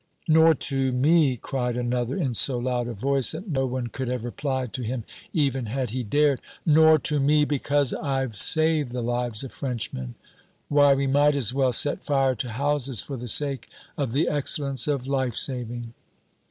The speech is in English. "Nor to me," cried another in so loud a voice that no one could have replied to him even had he dared; "nor to me, because I've saved the lives of Frenchmen! Why, we might as well set fire to houses for the sake of the excellence of life saving!"